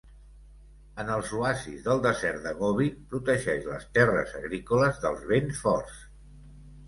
En els oasis del desert de Gobi, protegeix les terres agrícoles dels vents forts.